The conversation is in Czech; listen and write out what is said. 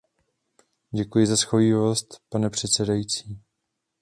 Děkuji za shovívavost, pane předsedající.